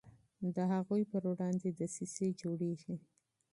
د هغوی پر وړاندې دسیسې جوړیږي.